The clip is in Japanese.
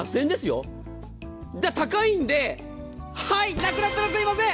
高いのではい、なくなったらすいません！